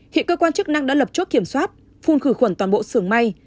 hiện cơ quan chức năng đã lập chốt kiểm soát phun khử khuẩn toàn bộ sưởng may